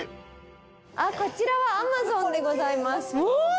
あっこちらはアマゾンでございます。